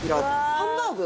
ハンバーグ？